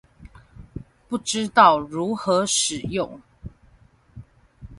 不知道如何使用